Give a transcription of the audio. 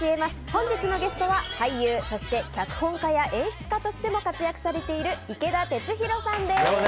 本日のゲストは俳優そして脚本家や演出家としても活躍されている池田テツヒロさんです。